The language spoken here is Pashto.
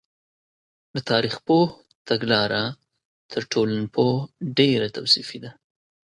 د تاریخ پوه تګلاره تر ټولنپوه ډېره توصیفي ده.